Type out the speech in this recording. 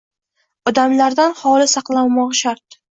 Odamlardan xoli saqlanmog’i shart.